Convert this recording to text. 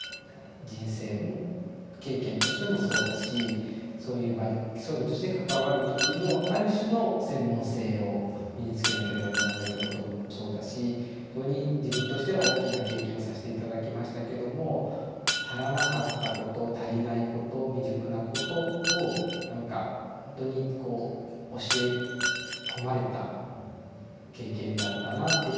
人生も経験としてもそうだしそういう場に僧侶として関わる時のある種の専門性を身につけなければならないってこともそうだし非常に自分としては大きな経験をさして頂きましたけども足らなかったこと足りないこと未熟なことを何かほんとにこう教え込まれた経験だったなっていうふうに振り返っては思いますね。